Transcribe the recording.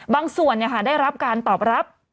บางส่วนได้รับการตอบรับ